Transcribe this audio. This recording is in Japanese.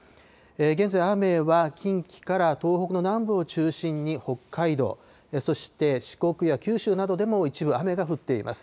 現在、雨は近畿から東北の南部を中心に北海道、そして四国や九州などでも一部雨が降っています。